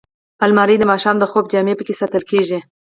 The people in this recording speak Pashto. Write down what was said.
الماري د ماښام د خوب جامې پکې ساتل کېږي